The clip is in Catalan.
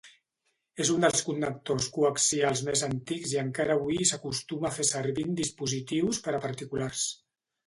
És un dels connectors coaxials més antics i encara avui s'acostuma a fer servir en dispositius per a particulars.